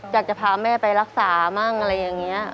อยากจะพาแม่ไปรักษามั่งอะไรอย่างนี้